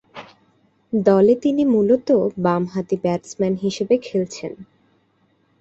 দলে তিনি মূলতঃ বামহাতি ব্যাটসম্যান হিসেবে খেলছেন।